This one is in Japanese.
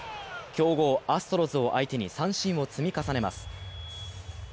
強豪アストロズを相手に三振を積み重ねます。